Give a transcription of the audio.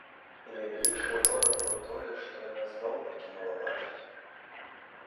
І найвялікшае гора было тое, што яна зноў пакінула бачыць.